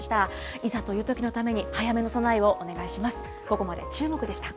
いざというときのために早めの備えをお願いします。